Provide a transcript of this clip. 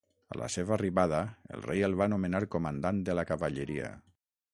A la seva arribada el rei el va nomenar comandant de la cavalleria.